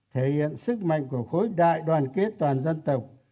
thể hiện sức mạnh của khối đại đoàn kết toàn dân tộc